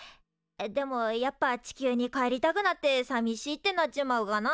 でもやっぱ地球に帰りたくなってさみしいってなっちまうかな？